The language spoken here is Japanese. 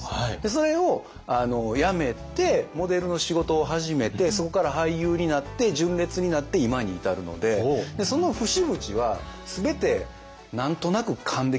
それを辞めてモデルの仕事を始めてそこから俳優になって純烈になって今に至るのでその節々は全て何となく勘で決めてきたんですよ。